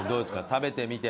食べてみて。